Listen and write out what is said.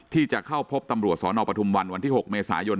ที่จะเข้าพบตำรวจสนปทุมวันวันที่๖เมษายน